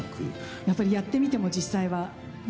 やっぱりやってみても実際は、はい。